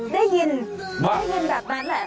ได้ยินได้ยินแบบนั้นแหละ